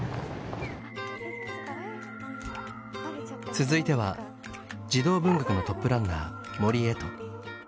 続いては児童文学のトップランナー